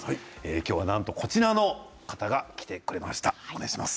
今日は、なんとこちらの方が来てくださいました。